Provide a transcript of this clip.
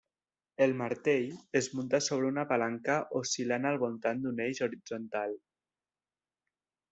El martell es munta sobre una palanca oscil·lant al voltant d'un eix horitzontal.